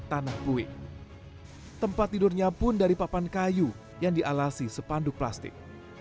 tanah kue tempat tidurnya pun dari papan kayu yang dialasi sepanduk plastik